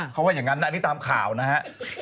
เขาว่าอย่างนั้นอันนี้ตามข่าวนะฮะ